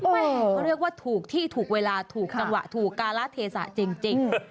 แม่เขาเรียกว่าถูกที่ถูกเวลาถูกจังหวะถูกการะเทศะจริง